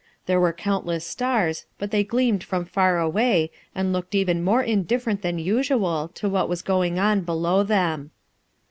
There were countless stars, but they gleamed from far away and looked even more indifferent than usual to what was going on below them.